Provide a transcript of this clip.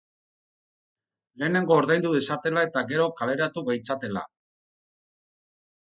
Lehenengo ordaindu dezatela eta gero kaleratu gaitzatela.